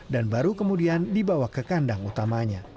dan baru kemudian dibawa ke kandang utamanya